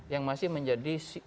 yang masih menjadi